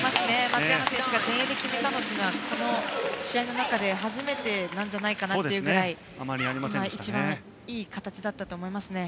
松山選手が前衛で決めたのはこの試合の中で初めてなんじゃないかというぐらい一番いい形だったと思いますね。